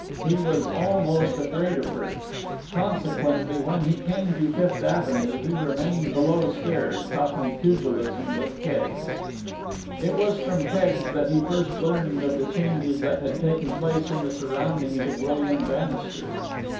He was almost afraid of her. Consequently, when he came to Fifth Avenue, he remained below stairs, talking pugilism with Keggs. It was from Keggs that he first learned of the changes that had taken place in the surroundings of William Bannister.